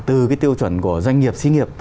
từ cái tiêu chuẩn của doanh nghiệp sĩ nghiệp